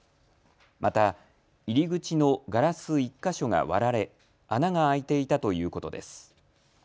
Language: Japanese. また、入り口のガラス１か所が割られ穴が開いていたということです。